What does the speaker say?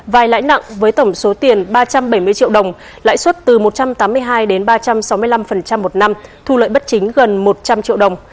vai lãi nặng với tổng số tiền ba trăm bảy mươi triệu đồng lãi suất từ một trăm tám mươi hai đến ba trăm sáu mươi năm một năm thu lợi bất chính gần một trăm linh triệu đồng